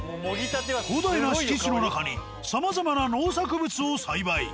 広大な敷地の中にさまざまな農作物を栽培。